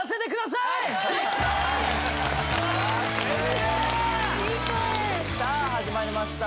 いい声さあ始まりました